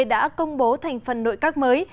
đã công bố thành phần nội các mới